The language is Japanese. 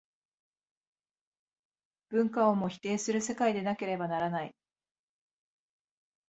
文化をも否定する世界でなければならない。